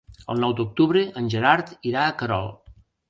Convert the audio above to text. El nou d'octubre en Gerard irà a Querol.